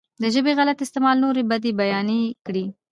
د ژبې غلط استعمال نورو بدۍ بيانې کړي.